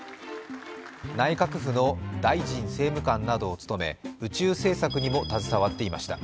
内閣府の大臣政務官などを務め宇宙政策にも携わっていました。